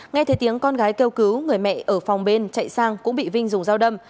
nghe thấy tiếng con gái kêu cứu người mẹ ở phòng bên chạy sang cũng bị vinh dùng dao đâm